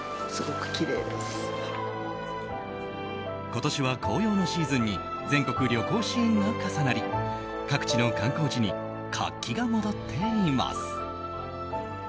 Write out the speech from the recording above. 今年は紅葉のシーズンに全国旅行支援が重なり各地の観光地に活気が戻っています。